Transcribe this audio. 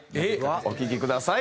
お聞きください。